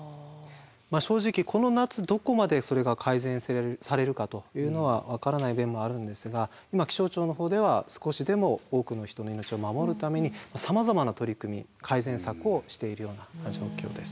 まあ正直この夏どこまでそれが改善されるかというのは分からない面もあるんですが今気象庁のほうでは少しでも多くの人の命を守るためにさまざまな取り組み改善策をしているような状況です。